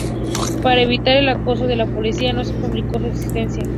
Para evitar el acoso de la policía, no se publicó su existencia.